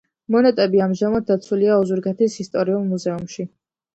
მონეტები ამჟამად დაცულია ოზურგეთის ისტორიულ მუზეუმში.